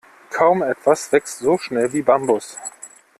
Kaum etwas wächst so schnell wie Bambus.